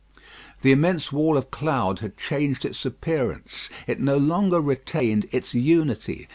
The immense wall of cloud had changed its appearance. It no longer retained its unity.